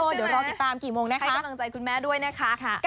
โอ้เดี๋ยวเราติดตามกี่โมงนะคะใช่ไหมคุณแอฟให้กำลังใจคุณแม่ด้วยนะคะ